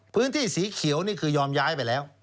พื้นที่สีเขียวนี่คือยอมย้ายไปแล้ว